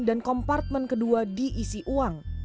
dan kompartmen kedua diisi uang